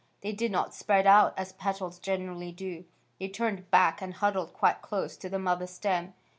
They did not spread out as petals generally do. They turned back and huddled quite close to the mother stem.